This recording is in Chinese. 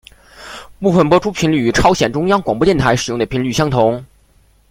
部分播出频率与朝鲜中央广播电台使用的频率相同。